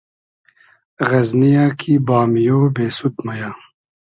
غئزنی یۂ کی بامیۉ , بېسود مۉ یۂ